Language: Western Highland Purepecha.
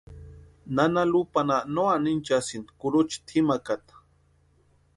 Nana Lupanha no anhinchasïni kurucha tʼimakata.